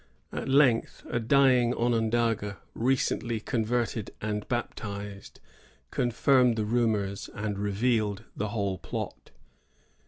At length a dying Onondaga, recently converted and baptized, confirmed the rumors, and revealed the whole plot.